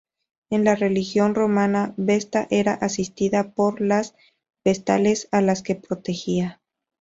En la religión romana, Vesta era asistida por las vestales a las que protegía.